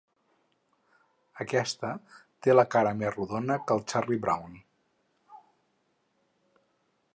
Aquesta té la cara més rodona que el Charlie Brown.